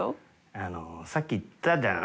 あのさっき言ったじゃん。